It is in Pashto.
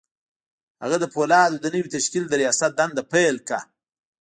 هغه د پولادو د نوي تشکیل د رياست دنده پیل کړه